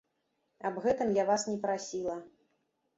Аб гэтым я вас не прасіла.